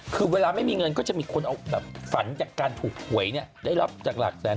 คือเวลาไม่มีเงินก็จะมีคนเอาแบบฝันจากการถูกหวยเนี่ยได้รับจากหลักแสน